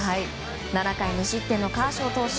７回無失点のカーショー投手。